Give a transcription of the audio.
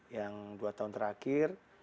yang dua tahun terakhir